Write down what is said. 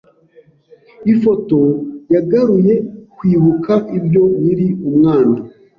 Ifoto yagaruye kwibuka ibyo nkiri umwana.